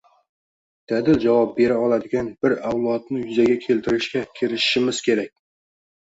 dadil javob bera oladigan bir avlodni yuzaga keltirishga kirishishimiz kerak.